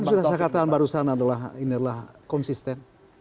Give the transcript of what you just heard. yang sudah saya katakan barusan adalah ini adalah konsisten